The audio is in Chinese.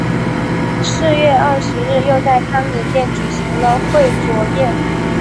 四月二十日又在康宁殿举行了会酌宴。